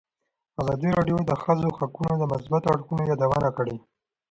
ازادي راډیو د د ښځو حقونه د مثبتو اړخونو یادونه کړې.